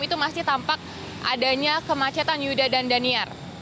itu masih tampak adanya kemacetan yuda dan daniar